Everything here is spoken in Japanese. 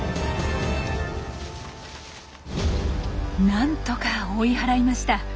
なんとか追い払いました。